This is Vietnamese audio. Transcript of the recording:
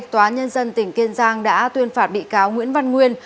tòa nhân dân tỉnh kiên giang đã tuyên phạt bị cáo nguyễn văn nguyên